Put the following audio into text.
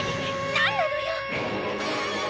何なのよ！